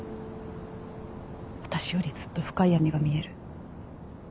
私よりずっと深い闇が見える。